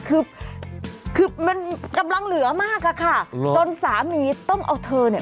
คือคือมันกำลังเหลือมากอะค่ะจนสามีต้องเอาเธอเนี่ย